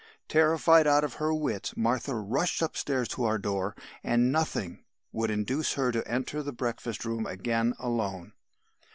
"Terrified out of her wits Martha rushed upstairs to our door, and nothing would induce her to enter the breakfast room again alone.